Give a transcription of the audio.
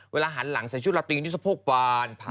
เวลาหันหลังใส่ชุดหลับตัวอย่างนี้สะโพกบานผ่าน